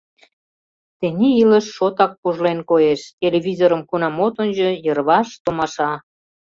— Тений илыш шотак пужлен, коеш, телевизорым кунам от ончо, йырваш — томаша.